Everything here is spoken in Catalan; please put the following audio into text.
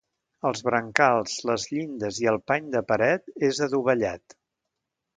Els brancals, les llindes i el pany de paret és adovellat.